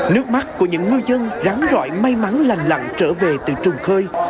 nước mắt của những ngư dân ráng rõi may mắn lành lặng trở về từ trùng khơi